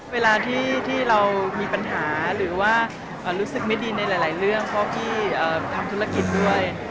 เวลาที่เรามีปัญหาหรือว่ารู้สึกไม่ดีในหลายเรื่องเพราะพี่ทำธุรกิจด้วย